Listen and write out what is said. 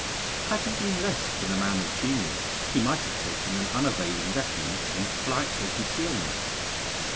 Had he been less than a man of genius, he might have taken an unavailing refuge in flight or concealment.